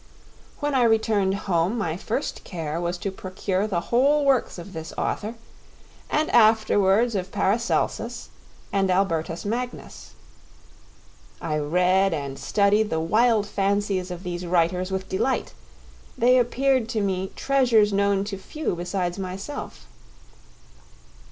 When I returned home my first care was to procure the whole works of this author, and afterwards of Paracelsus and Albertus Magnus. I read and studied the wild fancies of these writers with delight; they appeared to me treasures known to few besides myself.